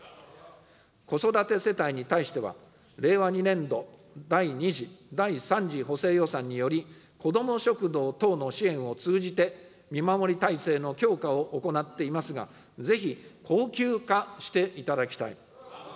子育て世帯に対しては、令和２年度第２次・第３次補正予算により、子ども食堂等の支援を通じて見守り体制の強化を行っていますが、ぜひ恒久化していただきたい。